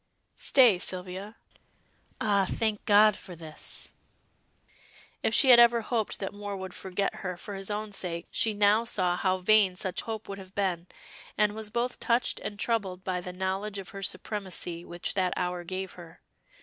"Stay, Sylvia. Ah, thank God for this!" If she had ever hoped that Moor would forget her for his own sake, she now saw how vain such hope would have been, and was both touched and troubled by the knowledge of her supremacy which that hour gave her.